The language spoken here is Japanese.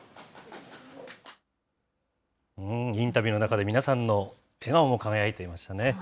インタビューの中で、皆さんの笑顔も輝いていましたね。